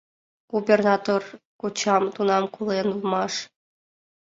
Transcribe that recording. Губернатор «кочам» тунам колен улмаш.